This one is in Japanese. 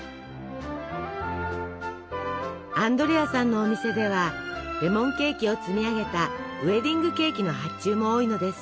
アンドレアさんのお店ではレモンケーキを積み上げたウエディングケーキの発注も多いのです。